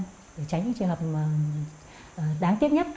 để tránh những trường hợp đáng tiếc nhất